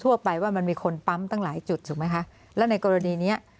ทั่วไปว่ามันมีคนปั๊มตั้งหลายจุดถูกไหมคะแล้วในกรณีเนี้ย